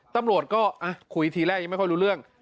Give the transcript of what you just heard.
ตำรวจก็คุยทีแรกยังไม่ค่อยรู้เรื่อง